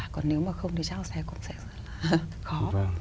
còn nếu mà không thì chắc là sẽ cũng sẽ rất là khó